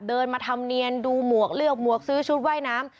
เดินมาทำเนียนดูหมวกเลือกหมวกซื้อชุดว่ายน้ำ